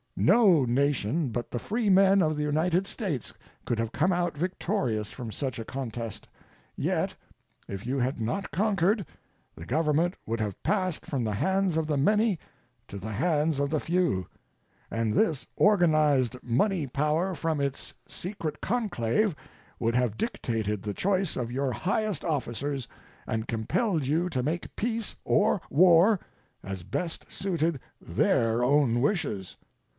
No nation but the freemen of the United States could have come out victorious from such a contest; yet, if you had not conquered, the Government would have passed from the hands of the many to the hands of the few, and this organized money power from its secret conclave would have dictated the choice of your highest officers and compelled you to make peace or war, as best suited their own wishes.